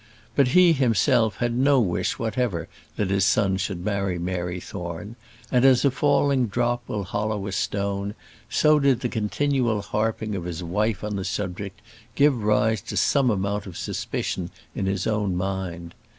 But he, himself, had no wish whatever that his son should marry Mary Thorne; and as a falling drop will hollow a stone, so did the continual harping of his wife on the subject give rise to some amount of suspicion in his own mind.